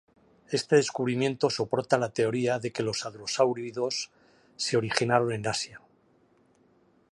Este descubrimiento soporta la teoría de que los hadrosáuridos se originaron en Asia.